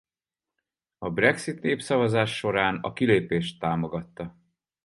A Brexit-népszavazás során a kilépést támogatta.